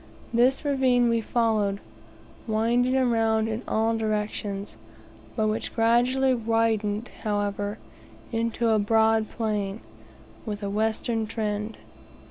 This ravine we followed, winding around in all directions, but which gradually widened, however, into a broad plain, with a western trend.